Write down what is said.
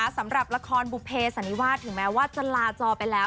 สำหรับละครบุเภสันนิวาสถึงแม้ว่าจะลาจอไปแล้ว